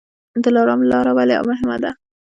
دلارام لاره ولې مهمه ده؟